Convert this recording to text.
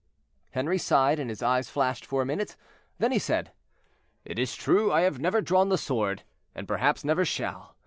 Henri sighed, and his eyes flashed for a minute; then he said: "It is true I have never drawn the sword, and perhaps never shall.